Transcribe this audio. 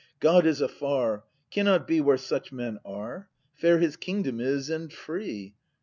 God is afar! Cannot be where such men are! Fair His kingdom is and free!